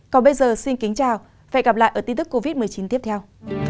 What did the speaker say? còn bây giờ xin kính chào và hẹn gặp lại ở tin tức covid một mươi chín tiếp theo